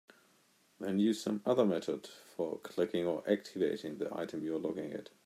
Then use some other method for clicking or "activating" the item you're looking at.